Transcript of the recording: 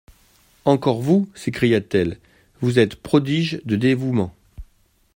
Encore vous ! s'écria-t-elle ; vous êtes prodigue de dévouement.